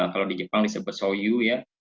kalau di jepang disebut soyu ya